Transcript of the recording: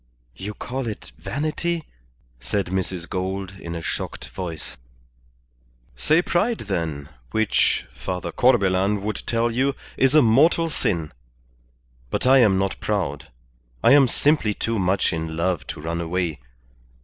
"You call it vanity," said Mrs. Gould, in a shocked voice. "Say pride, then, which Father Corbelan would tell you, is a mortal sin. But I am not proud. I am simply too much in love to run away.